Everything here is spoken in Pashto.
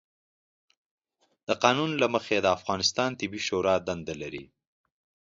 قانون له مخې، د افغانستان طبي شورا دنده لري،